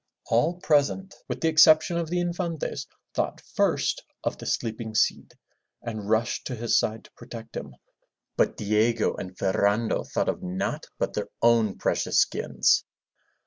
All present, with the exception of the Infantes, thought first of the sleeping Cid, and rushed to his side to protect him. But Diego and Ferrando thought of naught but their own precious skins.